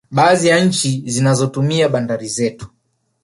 Baadhi ya nchi zinazotumia bandari zetu